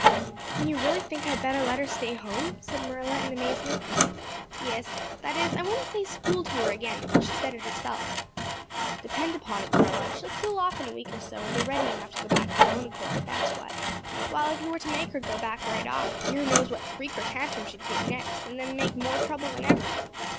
"Then you really think I'd better let her stay home," said Marilla in amazement. "Yes. That is I wouldn't say school to her again until she said it herself. Depend upon it, Marilla, she'll cool off in a week or so and be ready enough to go back of her own accord, that's what, while, if you were to make her go back right off, dear knows what freak or tantrum she'd take next and make more trouble than ever.